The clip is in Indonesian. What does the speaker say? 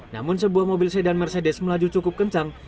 namun sebuah mobil sedan mercedes melaju cukup kencang